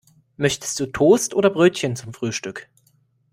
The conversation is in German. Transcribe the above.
Möchtest du Toast oder Brötchen zum Frühstück?